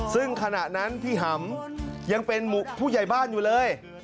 ซึ่งขณะนั้นพี่หำยังเป็นผู้ใหญ่บ้านอยู่เลย